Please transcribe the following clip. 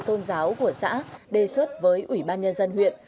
tôn giáo của xã đề xuất với ủy ban nhân dân huyện